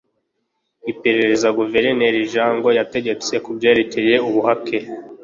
iperereza guverineri jungers yategetse kubyerekeye ubuhake